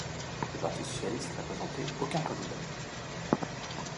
Le parti socialiste n'a présenté aucun candidat.